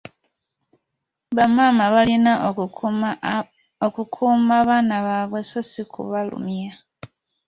Bamaama balina kukuuma baana baabwe so ssi kubalumya.